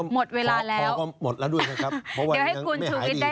หมดเวลาแล้วพอก็หมดแล้วด้วยนะครับเพราะวันนี้ยังไม่หายดี